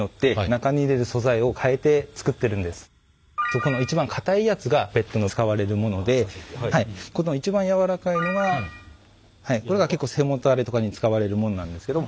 ここの一番硬いやつがベッドに使われるものでこの一番柔らかいのがこれが結構背もたれとかに使われるものなんですけども。